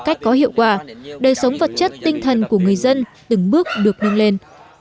cách có hiệu quả đời sống vật chất tinh thần của người dân từng bước được nâng lên